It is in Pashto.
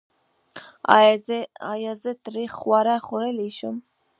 ایا زه تریخ خواړه خوړلی شم؟